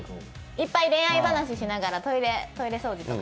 いっぱい恋愛話しながら、トイレ掃除とか。